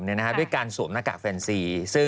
ด้วยการสวมหน้ากากแฟนซี